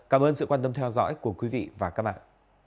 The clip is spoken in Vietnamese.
cảm ơn sự quan tâm theo dõi của quý vị và các bạn